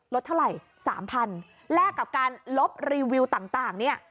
เท่าไหร่๓๐๐แลกกับการลบรีวิวต่างเนี่ย